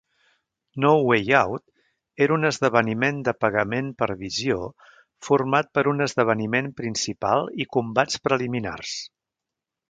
No Way Out era un esdeveniment de pagament per visió format per un esdeveniment principal i combats preliminars.